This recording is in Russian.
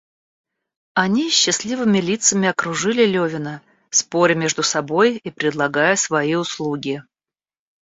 Они с счастливыми лицами окружили Левина, споря между собой и предлагая свои услуги.